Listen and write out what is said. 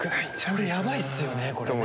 俺ヤバいっすよねこれね。